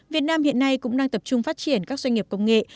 việt nam hiện nay cũng đang tập trung phát triển các doanh nghiệp công nghệ